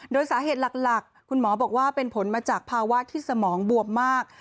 โดยสาเหตุหลักคุณหมอบอกว่าเป็นผลมาจากภาวะที่สมองบวมมาก